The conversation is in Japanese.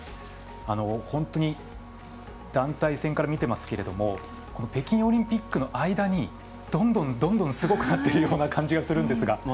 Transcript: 本当に団体戦から見ていますけども北京オリンピックの間にどんどんすごくなっているような感じがするんですが。